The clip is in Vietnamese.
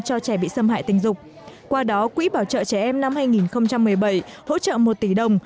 cho trẻ bị xâm hại tình dục qua đó quỹ bảo trợ trẻ em năm hai nghìn một mươi bảy hỗ trợ một tỷ đồng